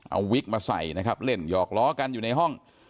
เอาวิกมาใส่นะครับเล่นหยอกล้อกันอยู่ในห้อง